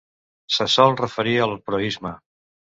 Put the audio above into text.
Se sol referir al proïsme.